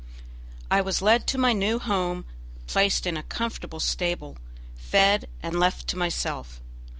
I was led to my new home, placed in a comfortable stable, fed, and left to myself.